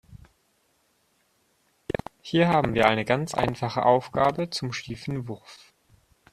Hier haben wir eine ganz einfache Aufgabe zum schiefen Wurf.